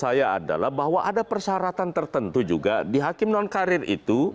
saya adalah bahwa ada persyaratan tertentu juga di hakim non karir itu